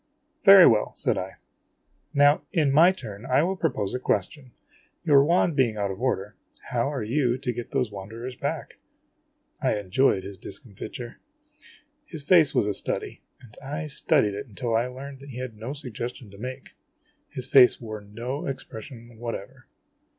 " Very well," said I. " Now, in my turn, I will propose a ques tion. Your wand being out of order, how are you to get those wan derers back? ' I enjoyed his discomfiture. His face was a study, and I studied it until I learned that he had no suggestion to make. His face wore no expression whatever.